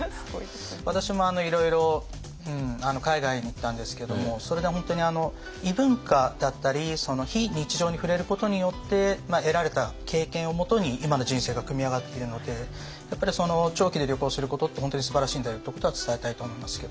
私もいろいろ海外に行ったんですけどもそれで本当に異文化だったり非日常に触れることによって得られた経験をもとに今の人生が組み上がっているのでやっぱり長期で旅行することって本当にすばらしいんだよってことは伝えたいと思いますけど。